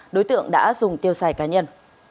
đối tượng đã dùng tiêu xài cá nhân